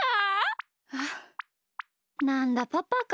あっなんだパパか。